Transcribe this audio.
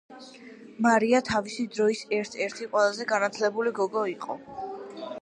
მარია თავისი დროის ერთ-ერთი ყველაზე განათლებული გოგონა იყო.